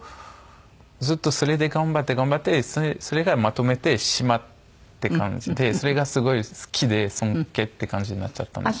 ずっとそれで頑張って頑張ってそれがまとめて志麻って感じでそれがすごい好きで尊敬って感じになっちゃった。